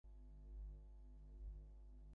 মহাবীর্যের সহিত কর্মক্ষেত্রে অবতীর্ণ হইতে হইবে।